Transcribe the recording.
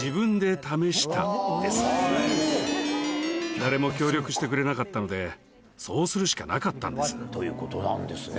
誰も協力してくれなかったのでそうするしかなかったんです。ということなんですね。